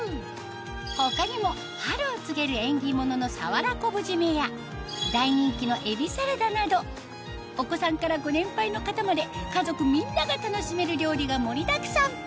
他にも春を告げる縁起物の大人気のお子さんからご年配の方まで家族みんなが楽しめる料理が盛りだくさん！